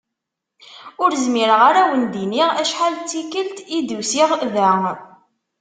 Ur zmireɣ ara ad wen-d-iniɣ acḥal d tikelt i d-usiɣ da.